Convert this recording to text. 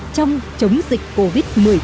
trong chống dịch covid một mươi chín